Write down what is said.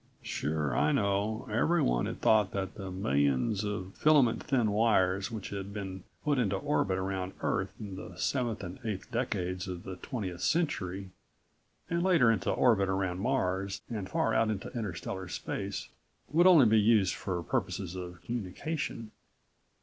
Sure, I know. Everyone had thought that the millions of filament thin wires which had been put into orbit around Earth in the seventh and eighth decades of the twentieth century and later into orbit around Mars and far out into interstellar space would only be used for purposes of communication.